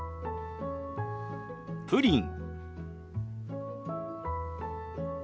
「プリン」。